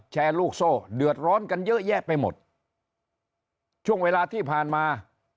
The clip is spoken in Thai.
แชร์ลูกโซ่เดือดร้อนกันเยอะแยะไปหมดช่วงเวลาที่ผ่านมา